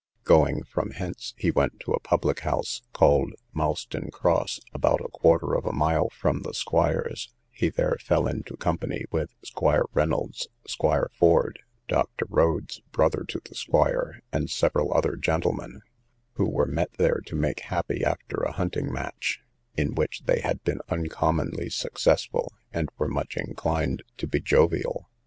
Going from hence, he went to a public house, called Malston cross, about a quarter of a mile from the squire's; he there fell into company with Squire Reynolds, Squire Ford, Dr. Rhodes, brother to the squire, and several other gentlemen, who were met there to make happy after a hunting match, in which they had been uncommonly successful, and were much inclined to be jovial.